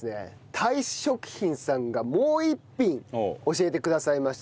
太子食品さんがもう一品教えてくださいました。